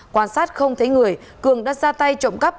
quan sát không thấy người cường đã ra tay trộm cắp